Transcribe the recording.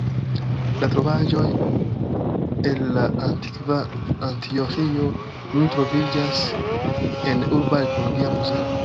La trovaĵoj el la antikva Antioĥio nun troviĝas en urba arkeologia muzeo.